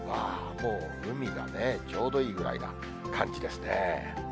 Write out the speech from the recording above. もう海がね、ちょうどいいぐらいな感じですね。